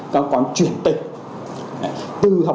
nó còn truyền tịch